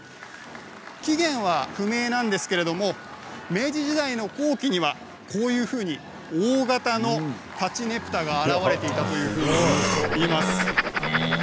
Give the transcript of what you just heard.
紀元は不明なんですけれども明治時代の後期にはこういうふうに大型のたちねぷたが現れていたといいます。